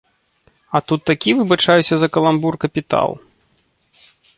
А тут такі, выбачаюся за каламбур, капітал.